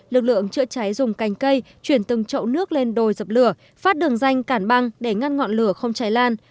lực lượng chữa cháy dùng cành cây chuyển từng chậu nước lên đồi dập lửa phát đường danh cản băng để ngăn ngọn lửa không cháy lan